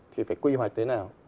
thì phải quy hoạch thế nào